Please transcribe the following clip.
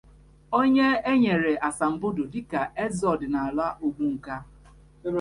onye e nyere asambodo dịka eze ọdịnala Ogbunka